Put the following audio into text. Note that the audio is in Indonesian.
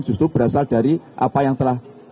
justru berasal dari apa yang telah